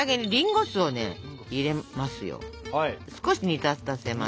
少し煮立たせます。